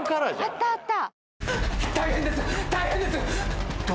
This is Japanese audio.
あったあった。